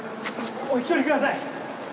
お引き取りください。